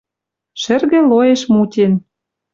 Шӹргӹ лоэш мутен